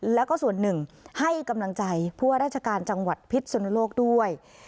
แล้วก็ส่วนหนึ่งให้กำลังใจผู้ว่าราชการจังหวัดพิษสุนโลกด้วย